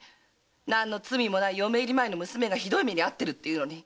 何の罪もない嫁入り前の娘が酷い目に遭ってるっていうのに。